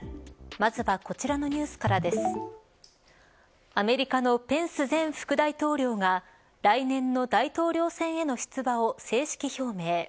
まずはこちらのニュースからですアメリカのペンス前副大統領が来年の大統領選への出馬を正式表明。